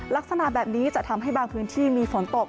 ลักษณะแบบนี้จะทำให้บางพื้นที่มีฝนตก